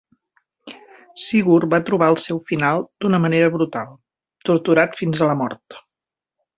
Sigurd va trobar el seu final d'una manera brutal, torturat fins a la mort.